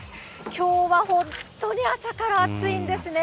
きょうは本当に朝から暑いんですね。